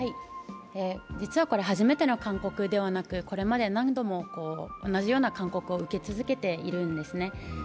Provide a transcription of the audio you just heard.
実はこれ初めての勧告ではなくこれまで何度も同じような勧告を受け続けているんですね。